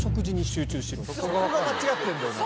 そこが間違ってるんだよな。